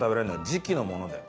時期のものだよ。